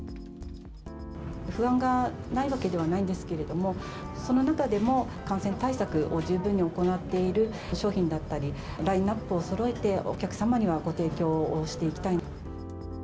不安がないわけではないんですけれども、その中でも、感染対策を十分に行っている商品だったりラインナップをそろえてお客様にはご提供をしていきたい。